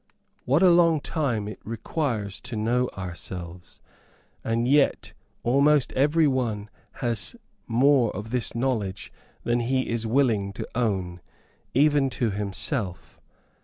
What a long time it requires to know ourselves; and yet almost every one has more of this knowledge than he is willing to own, even to himself.